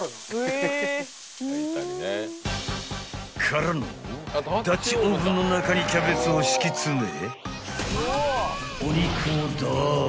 ［からのダッチオーブンの中にキャベツを敷き詰め］